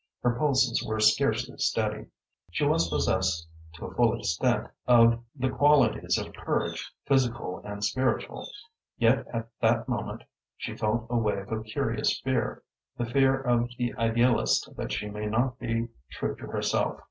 Her pulses were scarcely steady. She was possessed to a full extent of the her qualities of courage, physical and spiritual, yet at that moment she felt a wave of curious fear, the fear of the idealist that she may not be true to herself.